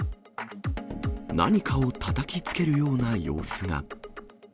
何かをたたきつけるような様子が。